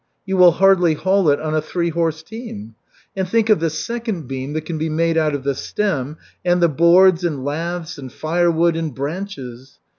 You will hardly haul it on a three horse team. And think of the second beam that can be made out of the stem, and the boards and laths and firewood, and branches.